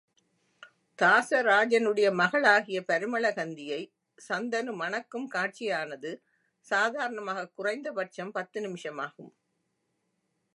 தாசராஜனுடைய மகளாகிய பரிமளகந்தியை சந்தனு மணக்கும் காட்சியானது, சாதாரணமாகக் குறைந்த பட்சம் பத்து நிமிஷமாகும்.